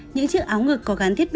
những chiếc áo ngực có gắn thiết bị